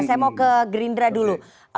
saya mau ke gerindra dulu